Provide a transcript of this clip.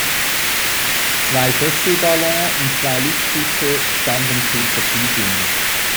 Zwei Fesselballons und zwei Luftschiffe standen zur Verfügung.